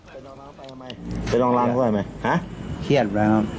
ไปร้องร้างไปกันไหมไปร้องร้างก็ได้ไหมฮะเครียดอะไรครับ